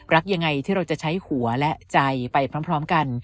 รักยังไงที่เราจะใช้หัวและใจไปพร้อมกัน